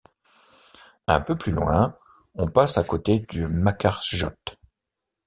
Un peu plus loin, on passe à côté du Markarfljót.